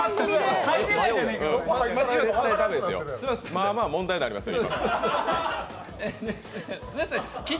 まあまあ問題になりますよ。